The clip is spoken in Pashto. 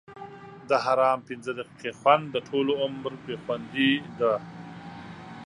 د حرام پنځه دقیقې خوند؛ د ټولو عمر بې خوندي ده.